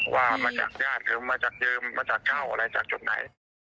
ว่ามันจากญาติหรือมันจากยืมจากเก้าหรือจากจุดไหน